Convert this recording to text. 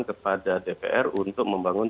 kepada dpr untuk membangun